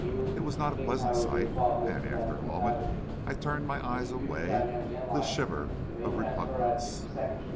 It was not a pleasant sight, and after a moment, I turned my eyes away with a shiver of repugnance.